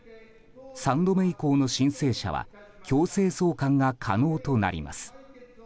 ３度目以降の申請者は強制送還が可能となります。